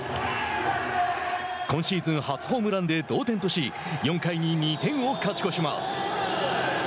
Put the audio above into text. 今シーズン初ホームランで同点とし４回に２点を勝ち越します。